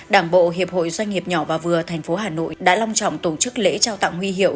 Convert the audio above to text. đảng bộ hiệp hội doanh nghiệp nhỏ và vừa thành phố hà nội đã long trọng tổ chức lễ trao tặng huy hiệu